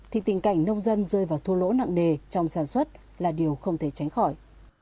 thì tình cảnh nông dân rơi vào thua lỗ nặng nề trong sản xuất là điều không thể tránh khỏi